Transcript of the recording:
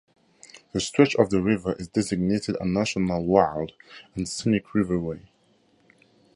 This stretch of the river is designated a National Wild and Scenic Riverway.